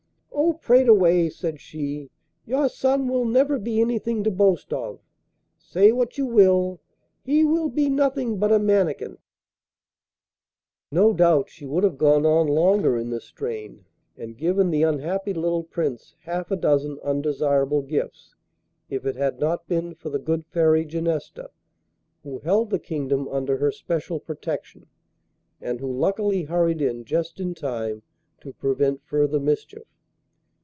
'Oh! prate away,' said she, 'your son will never be anything to boast of. Say what you will, he will be nothing but a Mannikin ' No doubt she would have gone on longer in this strain, and given the unhappy little Prince half a dozen undesirable gifts, if it had not been for the good Fairy Genesta, who held the kingdom under her special protection, and who luckily hurried in just in time to prevent further mischief.